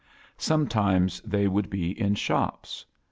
Sometimes they would be in; shops.